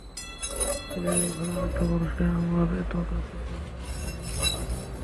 এর আগে কখনও আরেকটা মানুষকে আমার এত কাছের মনে হয়নি।